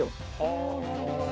あなるほどね！